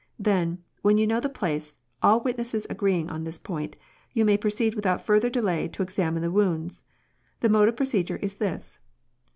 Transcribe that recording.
Then, when you know the place, all witnesses agreeing on this point, you may proceed without further delay to examine the wounds. The mode of procedure is this.